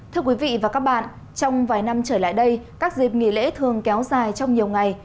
thưa quý vị và các bạn trong vài năm trở lại đây các dịp nghỉ lễ thường kéo dài trong nhiều ngày